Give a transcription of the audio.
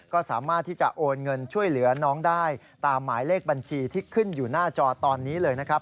ก็สามารถที่จะโอนเงินช่วยเหลือน้องได้ตามหมายเลขบัญชีที่ขึ้นอยู่หน้าจอตอนนี้เลยนะครับ